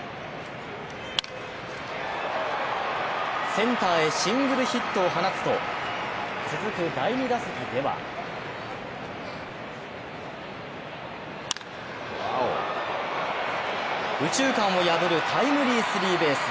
センターへシングルヒットを放つと続く第２打席では右中間を破るタイムリースリーベース。